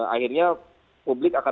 akhirnya publik akan